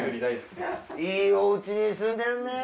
いいお家に住んでるね。